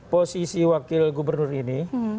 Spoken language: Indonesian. posisi wakil gubernur ini